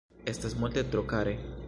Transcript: Estas multe tro kare.